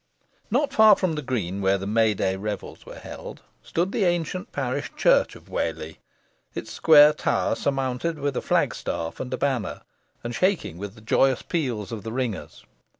Not far from the green where the May day revels were held, stood the ancient parish church of Whalley, its square tower surmounted with a flag staff and banner, and shaking with the joyous peals of the ringers.